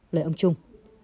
lời ông trung